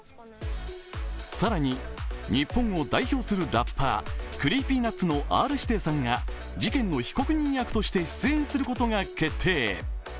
更に日本を代表するラッパー、ＣｒｅｅｐｙＮｕｔｓのＲ−指定さんが事件の被告人役として出演することが決定。